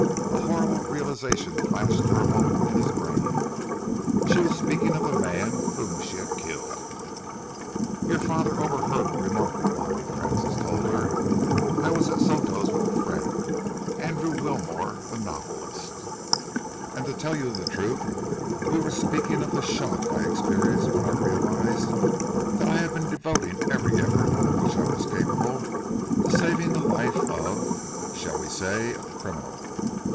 A horrible realisation flashed for a moment in his brain. She was speaking of the man whom she had killed! "Your father overheard a remark of mine," Francis told her. "I was at Soto's with a friend Andrew Wilmore, the novelist and to tell you the truth we were speaking of the shock I experienced when I realised that I had been devoting every effort of which I was capable, to saving the life of shall we say a criminal?